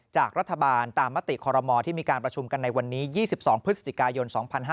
จากรัฐบาลตามมติคอรมอที่มีการประชุมกันในวันนี้๒๒พฤศจิกายน๒๕๕๙